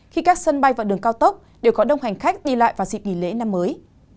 khi các sân bay và đường cao tốc đều có đông hành khách đi lại vào dịp nghỉ lễ năm mới